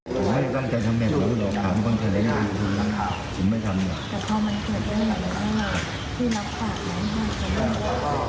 ผมไม่ได้ตั้งใจทำแบบนี้หรอกถามว่าคำถามใดผมไม่ทำอย่างนั้น